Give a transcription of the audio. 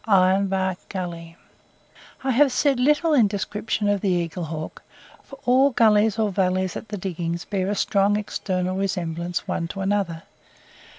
IRONBARK GULLY I have said little in description of the Eagle Hawk, for all gullies or valleys at the diggings bear a strong external resemblance one to another.